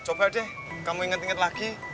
coba deh kamu inget inget lagi